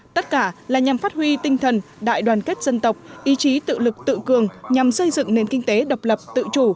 tất cả là nhằm phát huy tinh thần đại đoàn kết dân tộc ý chí tự lực tự cường nhằm xây dựng nền kinh tế độc lập tự chủ